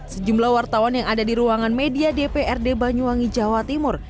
sejumlah wartawan yang ada di ruangan media dprd banyuwangi jawa timur